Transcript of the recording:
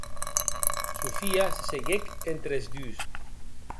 Sofia se seiguec entre es dus.